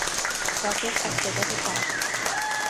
ساکت از شدت ترس